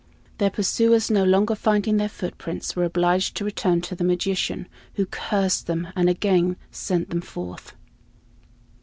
Their pursuers, no longer finding their footprints, were obliged to return to the magician, who cursed them, and again sent them forth.